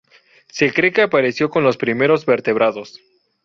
Se cree que apareció con los primeros vertebrados.